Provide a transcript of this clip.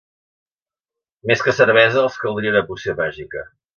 Més que cervesa, els caldria una poció màgica.